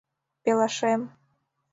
— Пелашем...